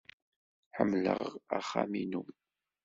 Ḥemmleɣ axxam-inu.